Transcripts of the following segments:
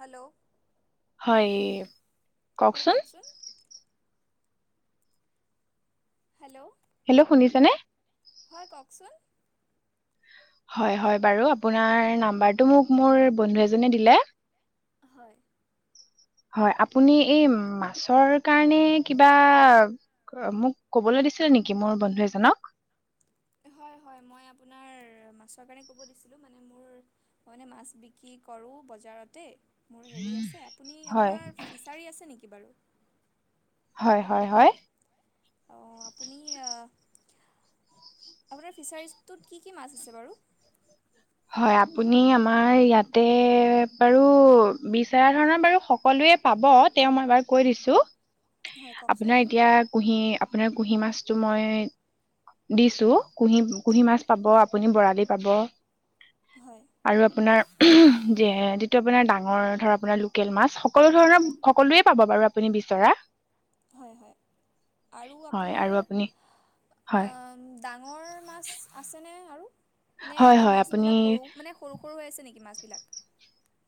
Hello? হয়, হয় কওঁকচোন। কওকচোন হেল্ল'? হেল্ল'? শুনিছা নে? হয়, কওঁকচোন। হয় - হয়, বাৰু। আপোনাৰ নাম্বাৰটো মোক মোৰ বন্ধু এজনে দিলে। হয়। [unintelligible] হয়, আপুনি এই মাছৰ কাৰণে কিবা অ'- মোক ক'বলৈ দিছ নেকি মোৰ বন্ধু এজনক? হয় - হয়, মই আপোনাৰ মাছৰ কাৰণে ক'ব দিছিলোঁ। মানে মোৰ, মই মানে মাছ বিক্ৰী কৰোঁ। বজাৰতেই মোৰ হেৰি আছে। আপুনি হয় আপোনাৰ ফিছাৰী আছে নেকি বাৰু? হয় - হয় - হয়? অ' আপুনি অ' আপোনাৰ ফিছাৰিছটোত কি - কি মাছ আছে বাৰু? হয়, আপুনি আমাৰ ইয়াতে বাৰু বিচৰা ধৰণৰ বাৰু সকলোৱে পাব। তেওঁ মই এবাৰ কৈ দিছোঁ। হয় কওকচোন আপোনাৰ এতিয়া কুহি আপোনাৰ কুঁহি মাছটো মই দিছোঁ। কুঁহি- কুঁহি মাছ পাব, আপুনি বৰালি পাব হয় আৰু আপোনাৰ উহ যে যিটো আপোনাৰ ডাঙৰ ধৰ আপোনাৰ লোকেল মাছ সকলো ধৰণৰ সকলোৱে পাব বাৰু আপুনি বিচৰা হয় হয় আৰু হয় আৰু আপোনাৰ আপুনি হয় অ'- উম ডাঙৰ মাছ আছেনে? আৰু নে হয় এই হয় আপুনি মাছবিলাক সৰু- মানে সৰু - সৰু হৈ আছে নেকি মাছবিলাক?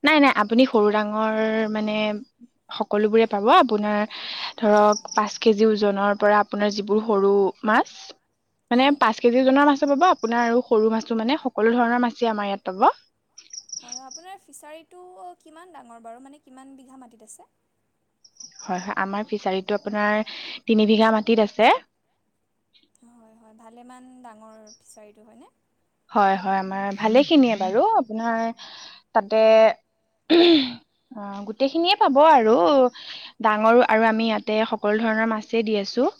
নাই - নাই। আপুনি সৰু ডাঙৰ মানে সকলোবোৰে পাব। আপোনাৰ ধৰ অ' পাঁচ কেজি ওজনৰ পৰা আপোনাৰ যিবোৰ সৰু মাছ মানে হয় পাঁচ কেজি ওজনৰ মাছো পাব আপোনাৰ আৰু সৰু মাছটো মানে সকলো ধৰণৰ মাছেই আমাৰ ইয়াত পাব। হয় - হয়। আপোনাৰ ফিছাৰীটো কিমান ডাঙৰ বাৰু? মানে কিমান বিঘা মাটিত আছে? আমাৰ ফিছাৰিটো আপোনাৰ তিনি বিঘা মাটিত আছে। হয় - হয়, ভালেমান ডাঙৰ ফিছাৰীটো, হয়নে? হয় - হয়, আমাৰ ভালেখিনিয়ে বাৰু। আপোনাৰ তাতে উ অ' গোটেইখিনিয়ে পাব আৰু। ডাঙৰো- আৰু আমি ইয়াতে সকলো ধৰণৰ মাছেই দি আছোঁ। তোৰ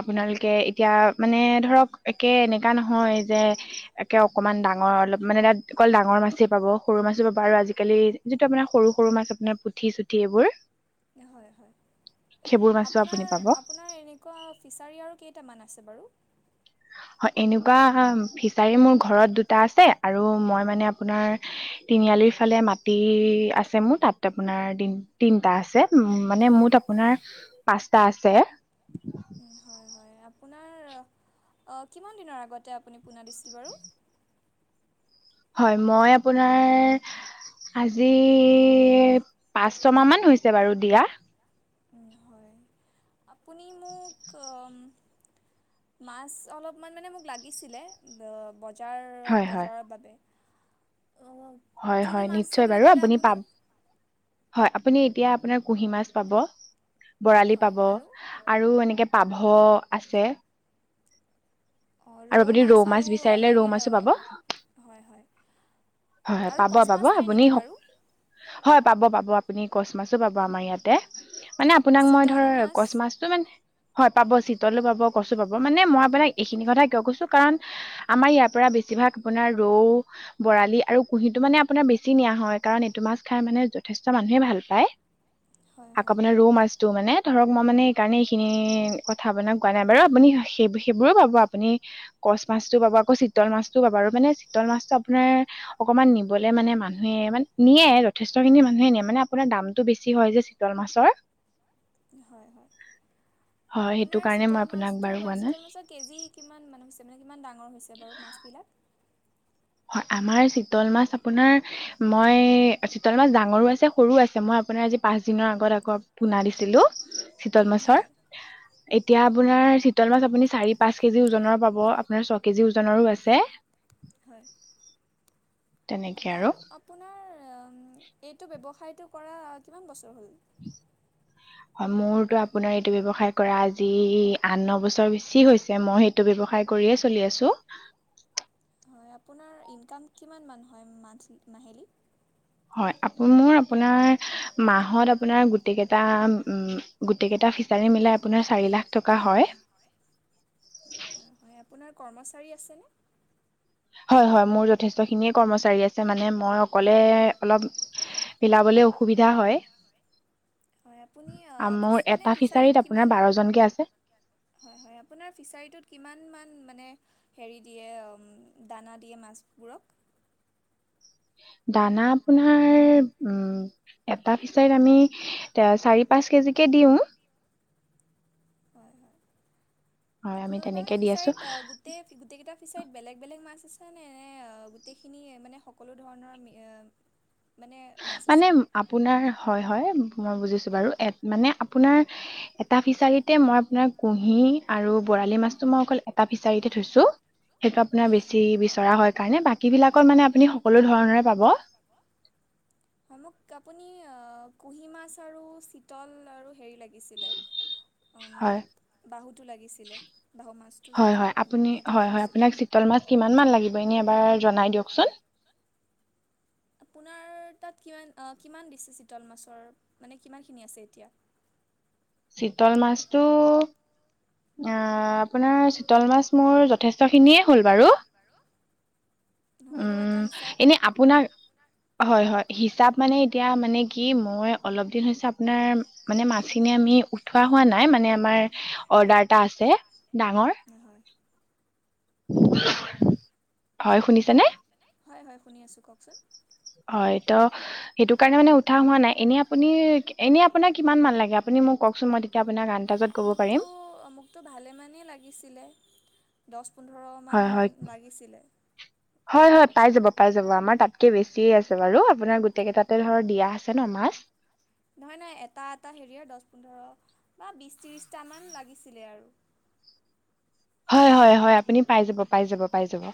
আপোনালোকে এতিয়া মানে ধৰক একে এনেকা নহয় যে একে অকণমান ডাঙৰ অলপ মানে তাত অকল ডাঙৰ মাছেই পাব সৰু মাছো পাব আৰু আজিকালি যিটো আপোনাৰ সৰু সৰু মাছ আপোনাৰ পুঠি চুঠি এইবোৰ হয় হয় সেইবোৰ মাছো আপুনি আপোনাৰ পাব আপোনাৰ এনেকুৱা ফিচাৰী আৰু কেইটামান আছে আছে বাৰু হয় এনেকুৱা ফিচাৰী মোৰ ঘৰত দুটা আছে আৰু মই মানে আপোনাৰ তিনিআলিৰ ইফালে মাটি আছে মোৰ তাত আপোনাৰ তিনিটা আছে মানে মুঠ আপোনাৰ পাঁচটা আছে হয় হয় আপোনাৰ কিমান দিনৰ আগতে আপুনি পোনা দিছিল বাৰু হয় মই আপোনাৰ আজি পাঁচ ছমাহ মান হৈছে বাৰু দিয়া হয় [inaudible] আপুনি মোক অহ উম মাছ অলপমান মানে মোক লাগিছিলে বজাৰৰ হয় হয় বজাৰৰ বাবে অঁ হয় কি কি হয় মাছ আছে নিশ্চয় বুলি বাৰু ক'লে আপুনি পাব হয় আপোনিএতিয়া আপোনাৰ কুহি মাছ পাব বৰালি হয় পাব আৰু পাভ আছে অঁহ ৰৌ আৰু আপুনি মাছ আৰু বিচাৰিলে হেৰি ৰৌ মাছো পাব হয় হয় হয় হয় আৰু পাব কচ পাব মাছ নাই আপুনি নেকি বাৰু সকলো হয় পাব পাব আপুনি কচ মাছো পাব আমাৰ ইয়াতে মানে আপোনাক মই ধৰ চিতল মাছ কচ মাছটো মানে হয় পাব চিতলো পাব কচ পাব মানে মই আপোনাক এইখিনি কথা কিয় কৈছো কাৰণ আমাৰ ইয়াৰ পৰা বেছিভাগ আপোনাৰ ৰৌ বৰালি আৰু কুহিতো মানে আপোনাৰ বেছি নিয়া হয়‌ কাৰণ মাছ খায় মানে যথেষ্ট মানুহে ভাল হয় আকৌ হয় মানে ৰৌ মাছ টো মানে ধৰক মই মানে এইকাৰণে এইখিনি কথা আপোনাক কোৱা নাই বাৰু আপুনি সেই সেইবোৰো পাব আপুনি কচ মাছতো পাব আকৌ চিতল মাছতো পাব আৰু মানে চিতল মাছটো আপোনাৰ অকনমান নিবলে মানে মানুহে মানে নিয়ে যথেষ্ট খিনি মানুহে নিয়ে মানে আপোনাৰ দামটো বেছি হয় যে চিতল মাছৰ হয় হয় হয় সেইটো আপোনাৰ কাৰণে মই চিতল আপোনাক মাছতটো বাৰু কোৱা নাই চিতল মাছৰ কেজি কিমান মান মানে কিমান ডাঙৰ হৈছে বাৰু মাছবিলাক হয় আমাৰ চিতল মাছ আপোনাৰ মই চিতল মাছ ডাঙৰো আছে সৰু আছে মই আপোনাৰ মই পাঁচদিনৰ আগত আকৌ পোনা দিছিলো চিতল মাছৰ হয় এতিয়া আপোনাৰ চিতল মাছ আপুনি চাৰি পাঁচ কেজি ওজনৰ পাব আপোনাৰ ছয় কেজি ওজনৰো আছে [unintelligible] হয় আৰু আপোনাৰ এইটো ব্যৱসায়টো কৰা কিমান বছৰ হ'ল [unintelligible] হয় মোৰতো আপোনাৰ এইটো ব্যৱসায় কৰা আজি আঠ ন বছৰ বেছি হৈছে মই সেইটো। ব্যৱসায় কৰিয়ে চলি আছো। হয় আপোনাৰ ইনকাম কিমান মান হয় মান্থল মাহিলী হয় আকৌ মোৰ আপোনাৰ মাহত আপোনাৰ গোটেই কেইটা উম গোটেই কেইটা তাৰে মিলাই আপোনাৰ চাৰি লাখ টকা হয় হয় হয় আপোনাৰ কৰ্মচাৰী আছেনে হয় হয় মোৰ যথেষ্টখিনিয়ে কৰ্মচাৰী আছে মানে মই অকলে অলপ মিলাবলৈ অসুবিধা হয় হয় আপুনি আহ, ফিচ মোৰ মানে এটা ফিচাৰীত কিমান আপোনাৰ বাৰ জনকে আছে হয় হয় আপোনাৰ ফিচাৰীটোত কিমান কিমান মান মানে হেৰি দিয়ে দানা দিয়ে মাছবোৰক দানা আপোনাৰ উম এটা ফিচাৰীত আমি চাৰি পাঁচ কেজি দিওঁ হয় হয় হয় আমি আপোনালোকৰ মানে তেনেকে দি আছো ফিচাৰিত গোটেই কেইটা ফিচাৰিত বেলেগ বেলেগ মাছ আছে নে নে এনে গোটেইখিনি মানে সকলো ধৰণৰ এ। মানে আপোনাৰ হয় হয়। মই বুজিছো বাৰু মানে আপোনাৰ এটা ফিচাৰীতে মই আপোনাৰ কুঁহি আৰু ব। বৰালি মাছ টো মই অকল এটা ফিচাৰীতে থৈছোঁ সেইটো আপোনাৰ হয় বেছি বিচৰা হয় কাৰণে বাকী। কি বিলাকত মানে আপুনি সকলো ধৰনৰে পাব। হয় মোক আপুনি কুঁহি মাছ আৰু চিতল আৰু হেৰি লাগিছিলে। হয়। বাহুটো লাগিছিলে বাহু মাছটো হয় যোনটো হয় আপুনি সেইটো হয় হয় লাগিছিলে আপোনাক চিতল মাছ কিমান মান লাগিব এনে এবাৰ। জনাই দিয়কচোন। আপোনাৰ তাত কিমান কিমান দিছে চিতল মাছৰ মানে কিমানখিনি আছে এতিয়া। চিতল মাছটো। আপোনাৰ চিতল মাছ মোৰ যথেষ্টখিনিয়ে হ'ল বাৰু। নহ'লেও এটা উম হিচাপ এনে আপোনাৰ হয় হয়। হিচাপ মানে এতিয়া মানে কি মই অলপ দিন হৈছে আপোনাৰ মানে মাছখিনি আমি। উঠোৱা হোৱা নাই মানে আমাৰ অৰ্ডাৰ এটা আছে ডাঙৰ। নহয় হয় শুনিছে নে। হয় হয় শুনি আছোঁ কওকচোন। হয় ত সেইটো কাৰণে মানে উঠা হোৱা নাই এনে আপুনি এনে আপোনাৰ কিমান মান লাগে আপুনি মোক। কওকচোন মই তেতিয়া আপোনাক আন্দাজত ক'ব মোকতো পাৰিম মোকতো ভালেমানেই লাগিছিলে দছ। হয় হয় হয় হয় পাই যাব পাই যাব আমাৰ তাতকে বেছি। বেছিয়ে আছে বাৰু আপোনাৰ গোটেই কেইটাতে ধৰ দিয়া আছে ন মাছ। নহয় নহয় এটা এটা হেৰিয় দহ পোন্ধৰ বা বি ত্ৰিশটামান লাগিছিলে আৰু। হয় হয় হয় আপুনি পাই যাব পাই যাব পাই যাব।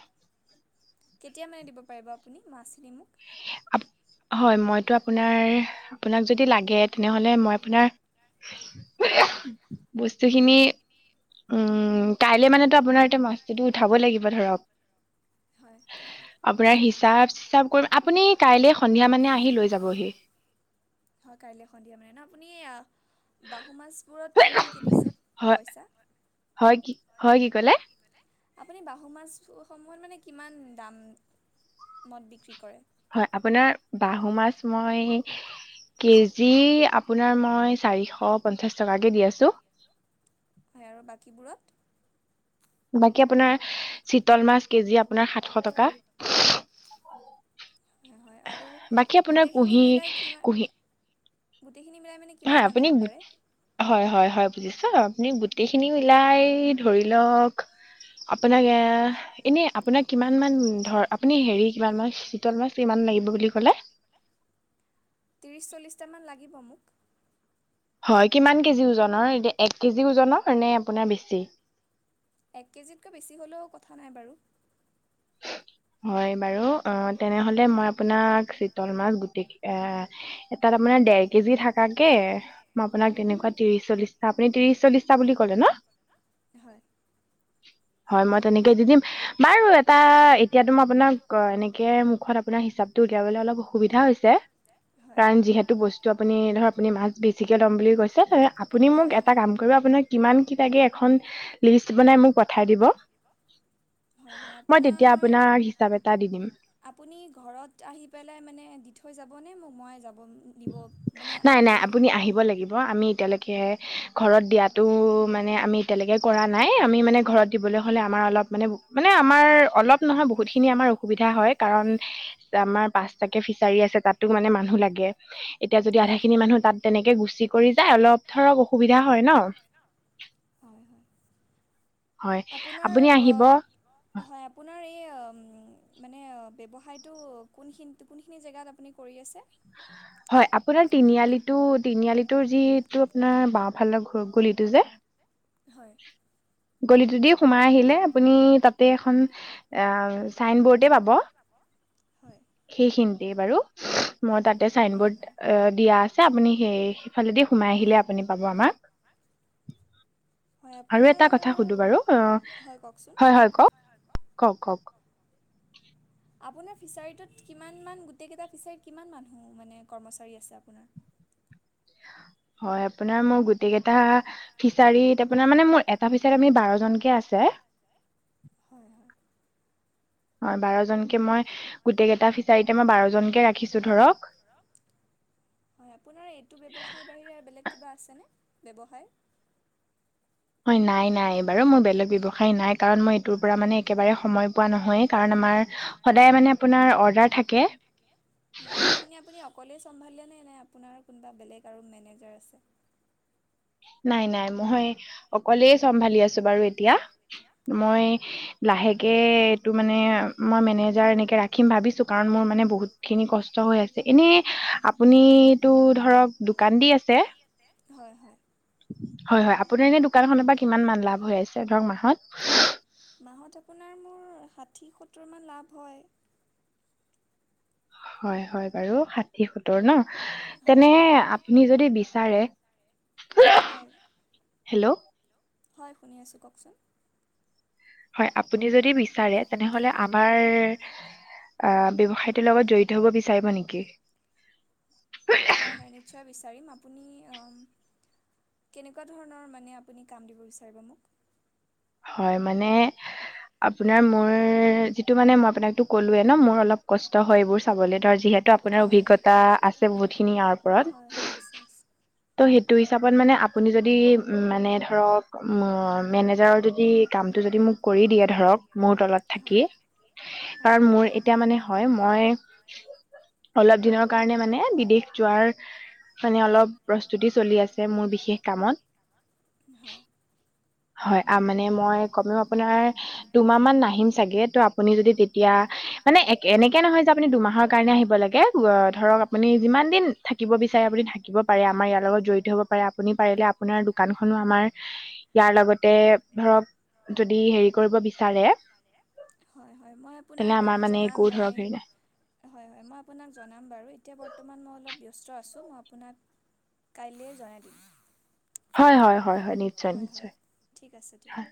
কেতিয়া মানে দিব পাৰিব আপুনি মাছ খিনি। আপু। হয় মইতো আপোনাৰ আপোনাক যদি লাগে তেনেহলে মই আপোনাৰ। বস্তুখিনি। উম কাইলে মানেতো আপোনাৰ এ মাছ্টো ত উঠাব লাগিব ধৰক। হয় আপোনাৰ হিচাপ চিচাপ কৰি। আপুনি কাইলৈ সন্ধিয়া মানে লৈ যাবহি। হয় কাইলৈ সন্ধিয়া মানে ন আপুনি। বাহু মাছবোৰত কিমানকৈ দিছে হয় পইচা। হয় কি হয় কি কলে। আপুনি বাহু মাছসমূহত মানে কিমান দাম মদ বিক্ৰী কৰে। হয় আপোনাৰ বাহু মাছ মই। কেজি আপোনাৰ মই চাৰিশ পঞ্চাশ টকাকে দি আছো। হয় আৰু বাকীবোৰত। বাকী আপোনাৰ চিতল মাছ কেজি আপোনাৰ সাতশ টকা। হয় হয়। আৰু বাকী আপোনাৰ গোটেইখিনি কুঁহি মিলাই কিমান কুহি। গোটেইখিনি মিলাই মানে কিমান হয় মান আপুনি হ'ব পাৰে হয় হয় হয়। বুজিছ আপুনি গোটেইখিনি মিলাই ধৰি লওঁক। আপোনাক এ এনে আপোনাক কিমান মান ধৰ আপুনি হেৰি কিমান মান চিতল মাছ কিমান। লাগিব বুলি কলে। ত্ৰিছ চল্লিছটামান লাগিব মোক। হয় কিমান কেজি ওজনৰ এক কেজি ওজনৰ নে আপোনাৰ বেছি। এক কেজিতকৈ বেছি হ'লেও কথা নাই বাৰু। হয় বাৰু অ তেনেহলে মই আপোনাক চিতল মাছ গোটই কেইটা, এটাৰ আপোনাৰ দেৰ কেজি থাকে মই আপোনাক তেনেকুৱা ত্ৰিশ চল্লিশটা আপুনি ত্ৰিশ চল্লিশটা বুলি ক'লে ন? [inaudible] হয়। হয় মই তেনেকে দি দিম। বাৰু এটা এতিয়াতো মই আপোনাক এনেকে মুখত আপোনাৰ হিচাপটো উলিয়াবলৈ অলপ অসুবিধা হৈছে। হয় কাৰণ যিহেতু বস্তু আপুনি ধৰ আপুনি মাছ বেছিকে ল'ম বুলি কৈছে আপুনি মোক হয় এটা কাম কৰিব আপোনাক কিমান কি লাগে এখন হয় লিষ্ট বনাই মোক পঠাই দিব। [inaudible] হয় হয় আপোনাৰ তেতিয়া মই আপোনাক হিচাপ এটা দি দিম আপুনি ঘৰত আহি পেলাই মানে দি থৈ যাব নে মোক মই যাম? নাই নাই আপুনি হয় আহিব লাগিব আমি এতিয়ালেকে ঘৰত দিয়াতো মানে আমি এতিয়ালৈকে কৰা নাই। আমি মানে ঘৰত দিবলৈ হ'লে আমাৰ অলপ মানে মানে আমাৰ অলপ নহয় বহুত খিনি আমাৰ অসুবিধা হয়, কাৰণ আমাৰ পাঁচটাকে ফিচাৰী আছে তাতো মানে মানুহ লাগে। এতিয়া যদি আধা হয় খিনি মানুহ তাত তেনেকে গুচি কৰি যায় অলপ ধৰক অসুবিধা হয় ন। [inaudible] হয় হয় হয় আপোনাৰ আপুনি আহিব হয় আপোনাৰ এই এই মানে ব্যৱসায়টো কোনখিনি কোনখিনি জেগাত আপুনি কৰি আছে? হয় আপোনাৰ তিনিআলিটো তিনিআলিটো যিটো আপোনাৰ বাওঁ ফালৰ [inaudible] সেইটো যে হয়। গলিটো দি সোমাই আহিলে আপুনি তাতে এখন আ চাইন বৰ্ডে পাব হয় সেইখিনিতে বাৰু। মই তাতে চাইন হয় বৰ্ড হয় দিয়া আছে আপুনি সেই সেইফালেদি সোমাই আহিলে আপুনি পাব আমাক। হয় আৰু আপোনাৰ এটা কথা সুধো বাৰু অ হয় হয় কওঁক। কওঁক কওঁক। আপোনাৰ ফিচাৰীটোত কিমানমান গোটেইকেইটা ফিচাৰীত কিমান মানুহ মানে কৰ্মচাৰী আছে আপোনাৰ? [unintelligible] হয় আপোনাৰ মোৰ গোটেই কেইটা ফিচাৰীত আপোনাৰ মানে মোৰ এটা ফিচাৰীত আমি বাৰ জনকে আছে। [inaudible] হয় হয়। হয় বাৰজনকে মই গোটেইকেইটা ফিচাৰীতেই মই বাৰজনকে ৰাখিছো ধৰক। [inaudible] হয়, আপোনাৰ এইটো ব্যৱসায়ৰ বাহিৰে বেলেগ কিবা আছেনে ব্যৱসায়? হয় নাই নাই বাৰু মোৰ বেলেগ ব্যৱসায় নাই, কাৰণ মই এইটোৰ পৰা মানে একেবাৰে সময় পোৱা নহয়েই কাৰণ আমাৰ সদায় মানে আপোনাৰ অৰ্ডাৰ থাকে? হয় এইখিনি আপুনি অকলেই চম্ভালিলে নে নাই আপোনাৰ কোনোবা বেলেগ আৰু মেনেজাৰ আছে? নাই নাই মই অকলে চম্ভালি আছো বাৰু এতিয়া। মই লাহেকে এইটো মানে মই মেনেজাৰ এনেকে ৰাখিম ভাবিছো কাৰণ মোৰ মানে বহুত খিনি কষ্ট হৈ হৈ আছে। এনে আপুনিতো ধৰক দোকান দি আছে হয় হয়। হয় হয়, আপোনাৰ এনে দোকানখনৰ পৰা কিমান মান লাভ হৈ আছে? ধৰক মাহত। মাহত আপোনাৰ মোৰ ষাঠি, সত্তৰমান লাভ হয়। হয় হয় বাৰু ষাঠি সত্তৰ ন? হয় তেনে হয় আপুনি যদি বিচাৰে হয়। হেল্ল'। হয়, শুনি আছোঁ, কওকচোন। হয়, আপুনি যদি বিচাৰে তেনেহ'লে আমাৰ আহ ব্যৱসায়টোৰ লগত জড়িত হ'ব বিচাৰিব নেকি? পাৰিম আপুনি অম কেনেকুৱা ধৰণৰ মানে আপুনি কাম দিব বিচাৰিব মোক? হয় মানে আপোনাৰ মোৰ যিটো মানে মই আপোনাকটো কলোৱে ন মোৰ অলপ কষ্ট হয় এইবোৰ চাবলে ধৰ যিহেতু ত' আপোনাৰ অভিজ্ঞতা আছে বহুতখিনি ইয়াৰ ওপৰত ত' সেই এইটো হিচাপত মানে আপুনি যদি মানে ধৰক মেনেজাৰৰ যদি সি কামটো যদি মোক কৰি দিয়ে ধৰক মোৰ তলত থাকি, কাৰণ হয় মোৰ এতিয়া মানে হয় মই অলপ দিনৰ কাৰণে মানে বিদেশ যোৱাৰ মানে অলপ প্ৰস্তুতি চলি আছে মোৰ বিশেষ কামত হয় হয়, আ মানে মই কমেও আপোনাৰ দুমাহ মান নাহিম চাগে ত আপুনি যদি তেতিয়া, মানে এনেকে নহয় যে আপুনি দুমাহৰ কাৰণে আহিব লাগে ধৰক আপুনি যিমান যিমান দিন থাকিব বিচাৰে আপুনি থাকিব পাৰে আমাৰ ইয়াৰ লগত জড়িত হ'ব পাৰে আপুনি পাৰিলে আপোনাৰ দোকানখনো আমাৰ ইয়াৰ লগতে ধৰক যদি হেৰি কৰিব বিচাৰে হয় হয় মই আপোনাক তেনে আমাৰ বাৰু মানে জনাম একো মই ধৰক হেৰি নাই হয় হয়, মই আপোনাক জনাম বাৰু এতিয়া বৰ্তমান মই অলপ ব্যস্ত ব্যস্ত আছোঁ মই আপোনাক কাইলৈ জনাই দিম। হয় হয় হয় হয় নিশ্চয় হয় হয় নিশ্চয় ঠিক আছে দিয়ক হয়।